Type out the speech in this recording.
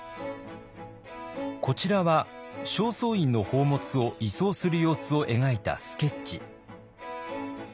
こちらは正倉院の宝物を移送する様子を描いたスケッチ。